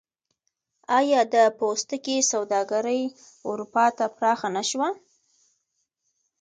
آیا د پوستکي سوداګري اروپا ته پراخه نشوه؟